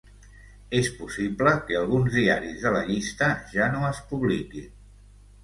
És possible que alguns diaris de la llista ja no es publiquin.